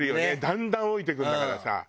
だんだん老いていくんだからさ。